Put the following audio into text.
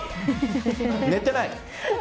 寝てない。